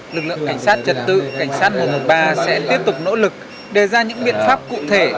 lực lượng cảnh sát trật tự cảnh sát một trăm một mươi ba sẽ tiếp tục nỗ lực đề ra những biện pháp cụ thể